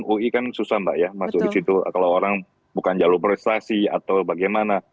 ui kan susah mbak ya masuk di situ kalau orang bukan jalur prestasi atau bagaimana